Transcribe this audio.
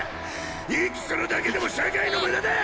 息するだけでも社会の無駄だ！